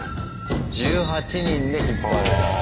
１８人で引っ張るんだ。